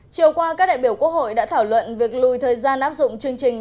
chiều qua các đại biểu quốc hội đã thảo luận việc lùi thời gian áp dụng chương trình